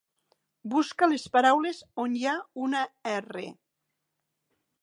Busca les paraules on hi ha una 'r'.